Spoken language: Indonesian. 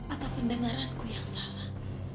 apa pendengaranku yang salah